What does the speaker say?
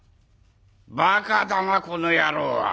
バカだなこの野郎は。